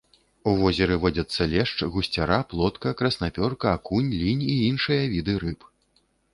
У возеры водзяцца лешч, гусцяра, плотка, краснапёрка, акунь, лінь і іншыя віды рыб.